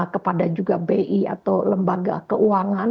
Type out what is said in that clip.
kepada juga bi atau lembaga keuangan